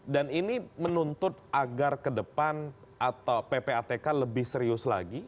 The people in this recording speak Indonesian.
dan ini menuntut agar ke depan ppatk lebih serius lagi